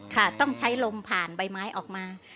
ค่ะต้องใช้ลมผ่านใบไม้ออกมา